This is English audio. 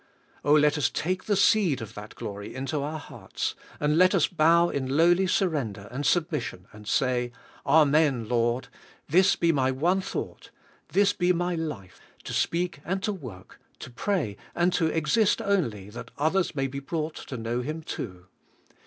Oh, let us take the seed of that glory into our hearts, and let us bow in lowly surrender and submission, and say, "Amen, Lord; this be my one thought. This be my life — to speak and to work, to pray and to exist only that others may be brought to know Him too.